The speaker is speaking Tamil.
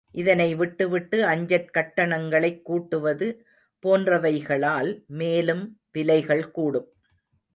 இதனை விட்டு விட்டு அஞ்சற் கட்டணங்களைக் கூட்டுவது, போன்றவைகளால் மேலும் விலைகள் கூடும்.